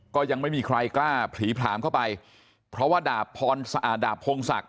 ก็ยังไม่มีใครกล้าผลีผลามเข้าไปเพราะว่าดาบพรอ่าดาบพงศักดิ